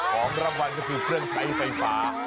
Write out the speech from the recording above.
ของรางวัลก็คือ่อยเครื่องไฟฝา